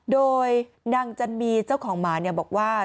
โดยนางจันมีเจ้าของหมาบอกว่า